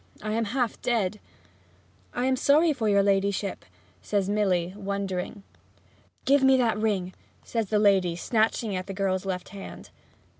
I am half dead!' 'I am sorry for your ladyship,' says Milly, wondering. 'Give me that ring!' says the lady, snatching at the girl's left hand.